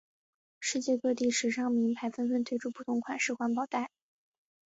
世界各地时尚品牌纷纷推出不同款式环保袋。